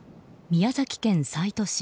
宮崎県西都市。